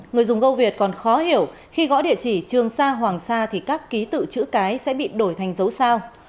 người dùng gâu việt còn khó hiểu khi gõ địa chỉ trường sa hoàng sa thì các ký tự chữ cái sẽ bị đổi thành dấu sao